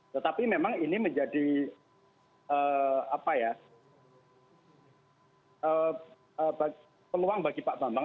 tetapi memang ini menjadi peluang bagi pak bambang